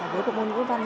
đối với bộ môn ngũ văn